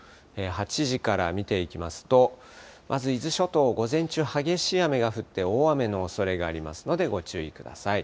８時から見ていきますと、まず伊豆諸島、午前中は激しい雨が降って、大雨のおそれがありますのでご注意ください。